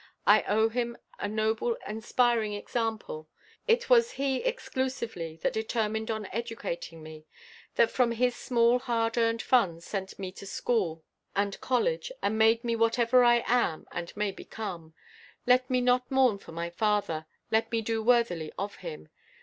I owe him a noble inspiring example. It was he exclusively that determined on educating me; that from his small hard earned funds sent me to school and college, and made me whatever I am and may become. Let me not mourn for my father, let me do worthily of him.